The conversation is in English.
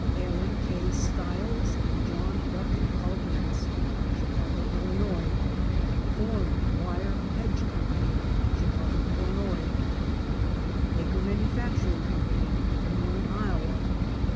Aaron K. Stiles and John W. Calkins, Chicago, Ill. Thorn Wire Hedge Co., Chicago, Ill. Baker Manufacturing Co., Des Moines, Iowa.